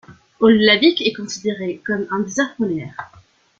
Aulavik est considéré comme un désert polaire.